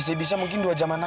sebentar lagi nyampe